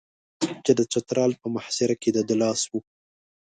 چې د چترال په محاصره کې د ده لاس و.